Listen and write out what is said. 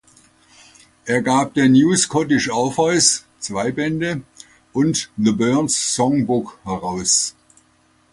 Er gab den "New Scottish Orpheus" (zwei Bände) und "The Burns Song Book" heraus.